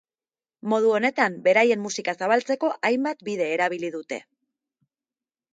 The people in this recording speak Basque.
Modu honetan beraien musika zabaltzeko hainbat bide erabili dute.